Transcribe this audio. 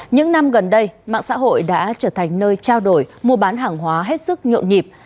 những năm gần đây mạng xã hội đã trở thành nơi trao đổi mua bán hàng hóa hết sức nhộn nhịp